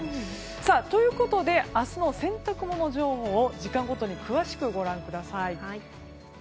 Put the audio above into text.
ということで明日の洗濯物情報を時間ごとに詳しくご覧ください。